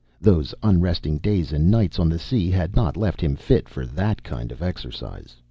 Those unresting days and nights on the sea had not left him fit for that kind of exercise.